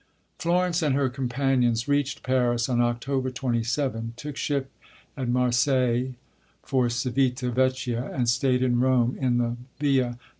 Florence and her companions reached Paris on October 27, took ship at Marseilles for Civita Vecchia, and stayed in Rome in the Via S.